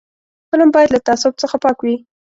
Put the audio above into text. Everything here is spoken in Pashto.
فلم باید له تعصب څخه پاک وي